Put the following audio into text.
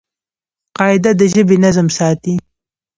قاعده د ژبي نظم ساتي.